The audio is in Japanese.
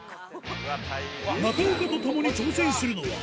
中岡と共に挑戦するのは。